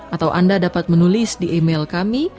atau anda dapat menulis di email kami